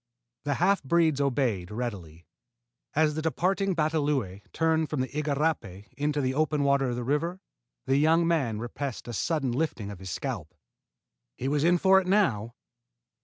The half breeds obeyed readily. As the departing batalõe turned from the igarapé into the open water of the river, the young man repressed a sudden lifting of his scalp. He was in for it now!